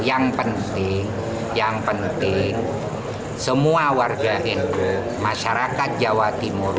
yang penting yang penting semua warga nu masyarakat jawa timur